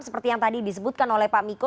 seperti yang tadi disebutkan oleh pak miko